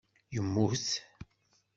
Yemmut?